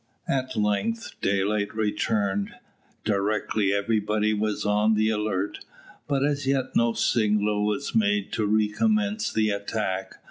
At length daylight returned. Directly everybody was on the alert, but as yet no signal was made to recommence the attack.